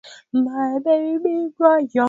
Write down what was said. kuiongoza taifa hilo kwa awamu ya pili